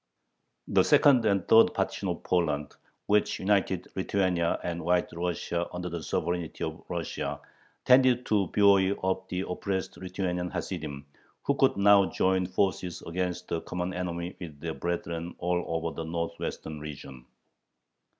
The second and third partition of Poland, which united Lithuania and White Russia under the sovereignty of Russia, tended to buoy up the oppressed Lithuanian Hasidim, who could now join forces against the common enemy with their brethren all over the northwestern region.